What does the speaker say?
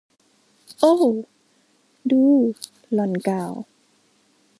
โอ้ ดู หล่อนกล่าว